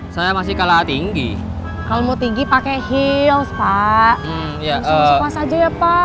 saya masih kalah tinggi kamu tinggi pakai hilang pak ya